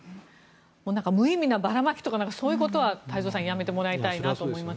無意味なばらまきとかそういうことは太蔵さんやめてもらいたいなと思います。